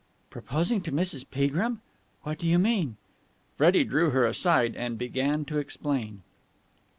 "Proposing to Mrs. Peagrim? What do you mean?" Freddie drew her aside, and began to explain.